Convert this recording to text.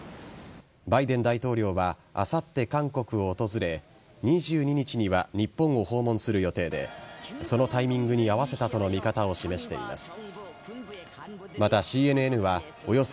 バイデン大統領はあさって、韓国を訪れ２２日には日本を訪問する予定でそのタイミングに合わせたとの見方を示しています。